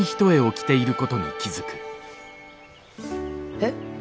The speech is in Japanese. えっ？